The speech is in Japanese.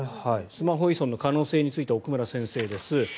スマホ依存の可能性について奥村先生です。